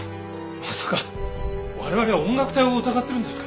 まさか我々音楽隊を疑ってるんですか？